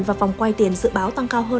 và phòng quay tiền dự báo tăng cao hơn